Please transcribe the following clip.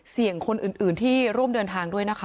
คนอื่นที่ร่วมเดินทางด้วยนะคะ